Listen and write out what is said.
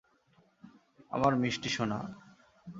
আমার মিষ্টি সোনা!